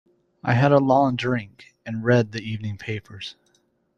I had a long drink, and read the evening papers.